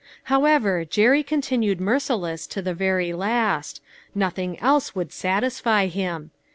However, Jerry continued merciless t.o the very last ; nothing else would satisfy him.